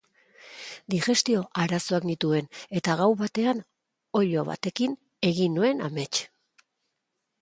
Digestio arazoak nituen eta gau batean oilo batekin egin nuen amets.